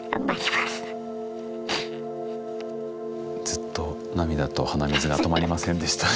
ずっと涙と鼻水が止まりませんでした。